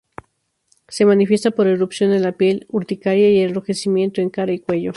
Se manifiesta por erupción en la piel, urticaria y enrojecimiento en cara y cuello.